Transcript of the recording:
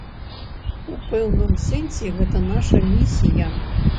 У пэўным сэнсе гэта наша місія.